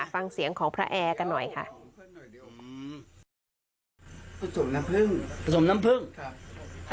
ฟังเสียงของพระแอร์กันหน่อยค่ะผสมน้ำพึ่งผสมน้ำพึ่งครับ